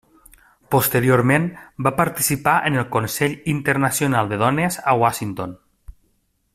Posteriorment va participar en el Consell Internacional de Dones a Washington.